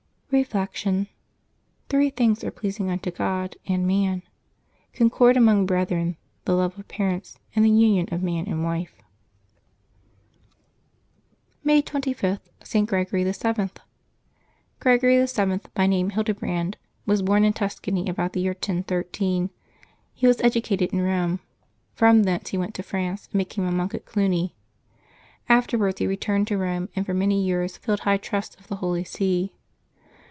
Reflection. — Three things are pleasing unto God and man : concord among brethren, the love of parents, and the union of man and wife. May 25.— ST. GREGORY VII. eREGOEY VII., by name Hildebrand, was born in Tus cany, about the year 1013. He was educated in Rome. From thence he went to France, and became a monk at Cluny. Afterwards he returned to Eome, and for many years filled high trusts of the Holy See.